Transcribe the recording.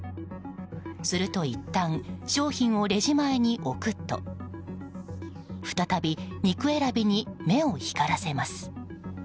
すると、いったん商品をレジ前に置くと再び肉選びに目を光らせます。